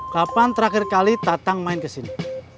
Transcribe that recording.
kapan terakhir kali tatang main ke sini